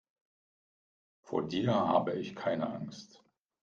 Vor dir habe ich keine Angst.